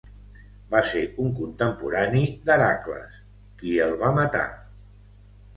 Va ser un contemporani d'Heracles qui el va matar.